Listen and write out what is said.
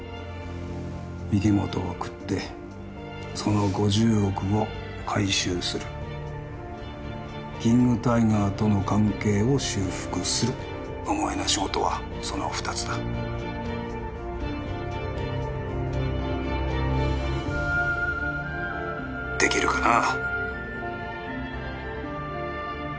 御木本を喰ってその５０億を回収するキング・タイガーとの関係を修復するお前の仕事はその二つだできるかな？